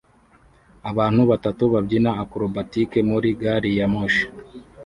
Abantu batatu babyina acrobatique muri gari ya moshi